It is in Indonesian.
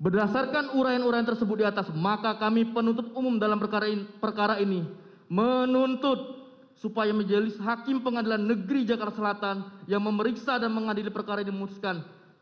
berdasarkan uraian uraian tersebut diatas maka kami penuntut umum dalam perkara ini menuntut supaya menjelis hakim pengadilan negeri jakarta selatan yang memeriksa dan mengadili perkara ini memutuskan